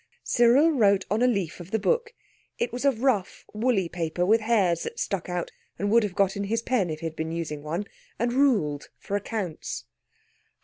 Cyril wrote on a leaf of the book—it was of rough, woolly paper, with hairs that stuck out and would have got in his pen if he had been using one, and ruled for accounts.